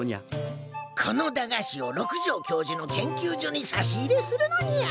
この駄菓子を六条教授の研究所に差し入れするのにゃ。